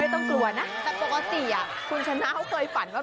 แต่ปกติอ่ะคุณชะนาวเคยฝันว่า